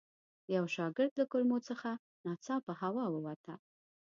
د یوه شاګرد له کلمو څخه ناڅاپه هوا ووته.